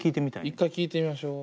一回聴いてみましょう。